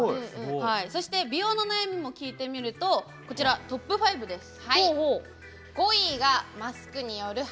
そして美容の悩みも聞いてみるとこちら、トップ５です。